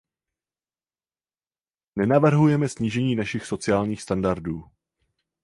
Nenavrhujeme snížení našich sociálních standardů.